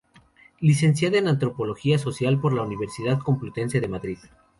Licenciada en Antropología Social por la Universidad Complutense de Madrid.